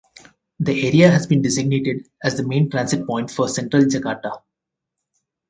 The area has been designated as the main transit point for Central Jakarta.